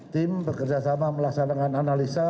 tim bekerja sama melaksanakan analisa